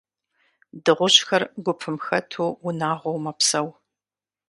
Дыгъужьхэр гупым хэту, унагъуэу мэпсэу.